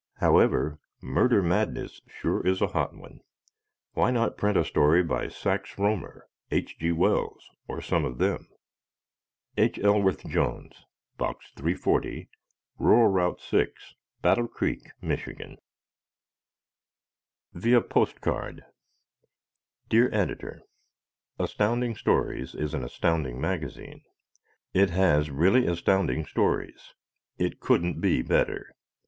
However, "Murder Madness" sure is a hot one. Why not print a story by Sax Rohmer, H. G. Wells, or some of them? H. Elsworth Jones, Box 340, R. R. 6, Battle Creek, Mich. Via Postcard Dear Editor: Astounding Stories is an astounding magazine. It has really astounding stories. It couldn't be better.